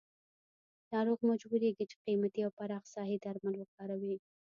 ناروغ مجبوریږي چې قیمتي او پراخ ساحې درمل وکاروي.